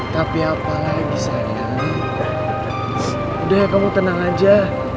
tapi apa lagi sayang udah ya kamu tenang aja